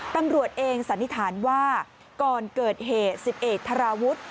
ตำรวจเองสันนิษฐานว่าก่อนเกิดเหตุ๑๑ธราวุฒิ